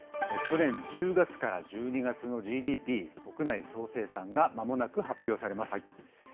去年１０月から１２月のＧＤＰ・国内総生産がまもなく発表されます。